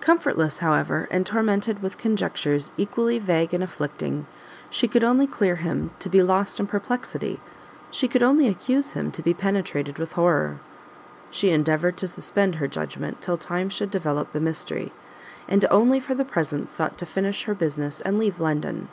Comfortless, however, and tormented with conjectures equally vague and afflicting, she could only clear him to be lost in perplexity, she could only accuse him to be penetrated with horror. She endeavoured to suspend her judgment till time should develop the mystery, and only for the present sought to finish her business and leave London.